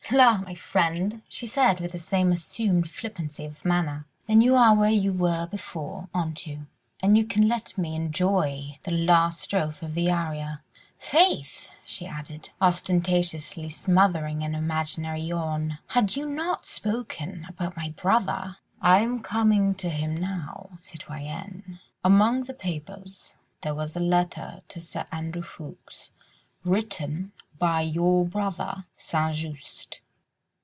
"La! my friend," she said, with the same assumed flippancy of manner, "then you are where you were before, aren't you? and you can let me enjoy the last strophe of the aria. Faith!" she added, ostentatiously smothering an imaginary yawn, "had you not spoken about my brother ..." "I am coming to him now, citoyenne. Among the papers there was a letter to Sir Andrew Ffoulkes, written by your brother, St. Just."